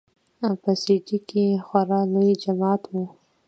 په سي ډي کښې خورا لوى جماعت و.